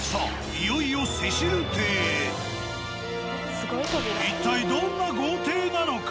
いよいよ一体どんな豪邸なのか？